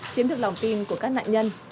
chiếm được lòng tin của các nạn nhân